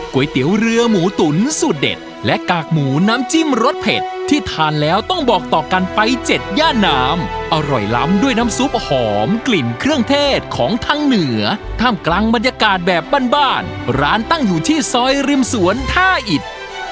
ก๋วยเตี๋ยวเรือหมูตุ๋นสูตรเด็ดและกากหมูน้ำจิ้มรสเผ็ดที่ทานแล้วต้องบอกต่อกันไปเจ็ดย่าน้ำอร่อยล้ำด้วยน้ำซุปหอมกลิ่นเครื่องเทศของทางเหนือท่ามกลางบรรยากาศแบบบ้านบ้านร้านตั้งอยู่ที่ซอยริมสวนท่าอิด